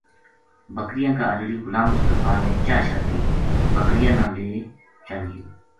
بکریاں کا اجڑی غلام مصطفی نے چاہ شاہ پی بکریاں نا لے چل گیو